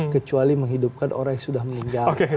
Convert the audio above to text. kecuali menghidupkan orang yang sudah meninggal